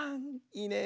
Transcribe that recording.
いいね。